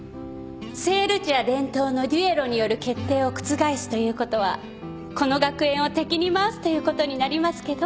聖ルチア伝統の決闘による決定を覆すということはこの学園を敵に回すということになりますけど？